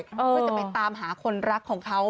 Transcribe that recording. เพื่อจะไปตามหาคนรักของเขา